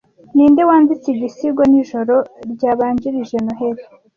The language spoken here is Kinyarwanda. Ninde wanditse igisigo Nijoro ryabanjirije Noheri